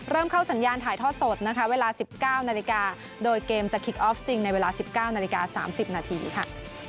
เริ่มเข้าสัญญาณถ่ายทอดสดนะคะเวลา๑๙นาฬิกาโดยเกมจะคิกออฟจริงในเวลา๑๙นาฬิกา๓๐นาทีค่ะ